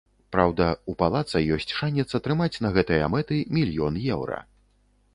Праўда, у палаца ёсць шанец атрымаць на гэтыя мэты мільён еўра.